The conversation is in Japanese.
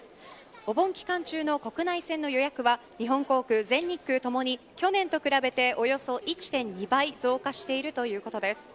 お盆期間中の国内線の予約は日本航空、全日空ともに去年と比べておよそ１．２倍増加しているということです。